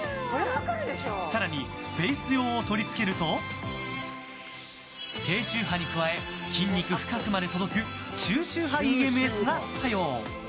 更にフェイス用を取り付けると低周波に加え、筋肉深くまで届く中周波ＥＭＳが作用。